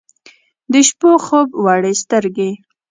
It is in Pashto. د شپو خوب وړي سترګې